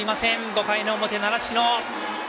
５回の表、習志野。